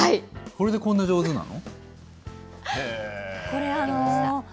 それでこんな上手なの？